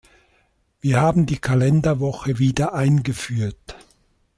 Wir haben die Kalenderwoche wieder eingeführt.